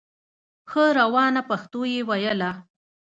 ښه روانه پښتو یې ویله